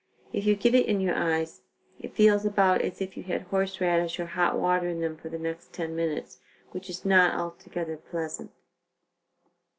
If you get it in your eyes, it feels about as if you had horse radish or hot water in them for the next ten minutes, which is not altogether pleasant."